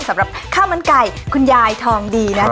สำหรับข้าวมันไก่คุณยายทองดีนะคะ